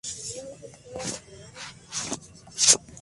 Un ejemplo es la determinación del calcio en los vinos.